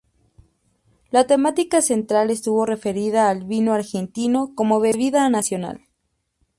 La temática central estuvo referida al Vino argentino como bebida nacional.